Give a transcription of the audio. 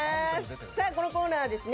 さあ、このコーナーはですね